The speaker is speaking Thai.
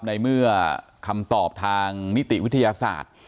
ในเมื่อคำตอบทางนิติวิทยาศาสตร์